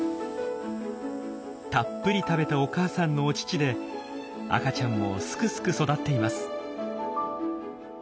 たっぷり食べたお母さんのお乳で赤ちゃんもすくすく育っています。